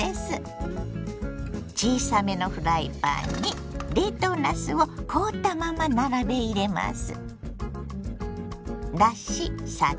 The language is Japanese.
小さめのフライパンに冷凍なすを凍ったまま並べ入れます。